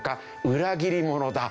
裏切り者だ。